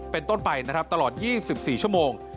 เป็นต้นไปตลอด๒๔ชั่วโมง